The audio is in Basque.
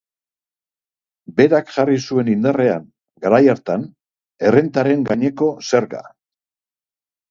Berak jarri zuen indarrean, garai hartan, errentaren gaineko zerga.